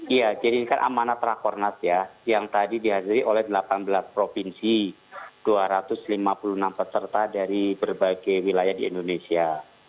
iya jadi ini kan amanat rakornas ya yang tadi dihadiri oleh delapan belas provinsi dua ratus lima puluh enam peserta dari berbagai wilayah di indonesia